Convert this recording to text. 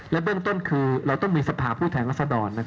และเรื่องต้นคือเราต้องมีสภาพผู้แทนลักษณ์ด่อน